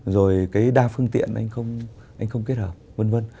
rồi cái đa phương tiện anh không kết hợp vân vân